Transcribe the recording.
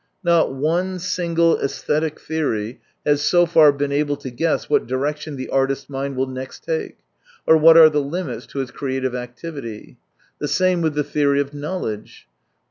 Not one single aesthetic theory has so far been able to guess what direction the artists' mind will next take, or what are the limits to his creative activity. The same with the theory of knowledge.